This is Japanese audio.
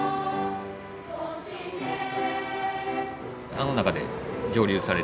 あの中で蒸留されて。